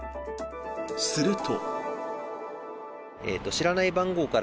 すると。